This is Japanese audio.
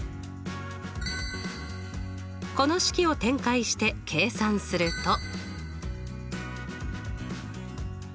この式を展開して計算すると。